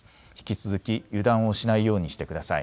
引き続き油断をしないようにしてください。